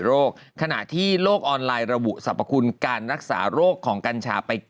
ขณะที่โลกออนไลน์ระบุสรรพคุณการรักษาโรคของกัญชาไป